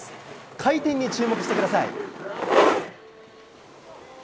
回転に注目してください。